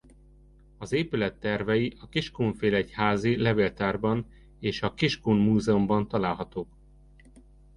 Az épület tervei a kiskunfélegyházi levéltárban és a Kiskun Múzeumban találhatók.